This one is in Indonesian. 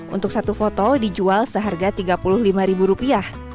untuk satu foto dijual seharga tiga puluh lima rupiah